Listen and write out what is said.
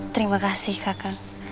terima kasih kakak